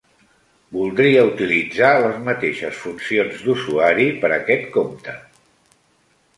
Voldria utilitzar les mateixes funcions d'usuari per aquest compte?